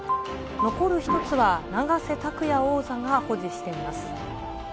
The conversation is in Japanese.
残る１つは永瀬拓矢王座が保持しています。